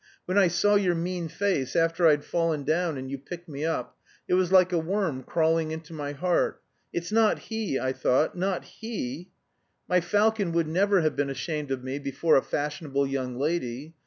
When I saw your mean face after I'd fallen down and you picked me up it was like a worm crawling into my heart. It's not he, I thought, not he! My falcon would never have been ashamed of me before a fashionable young lady.